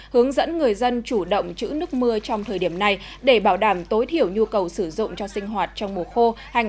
hướng dẫn người dân chủ động chữ nước mưa trong thời điểm này để bảo đảm tối thiểu nhu cầu sử dụng cho sinh hoạt trong mùa khô hai nghìn hai mươi hai nghìn hai mươi